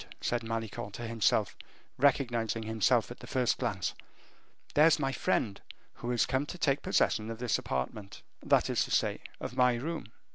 said Malicorne to himself, recognizing him at the first glance; "there's my friend, who is come to take possession of his apartment, that is to say, of my room."